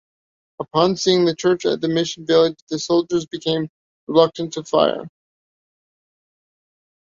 Upon seeing the Church at the mission village the soldiers become reluctant to fire.